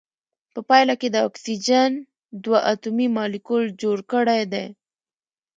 په پایله کې د اکسیجن دوه اتومي مالیکول جوړ کړی دی.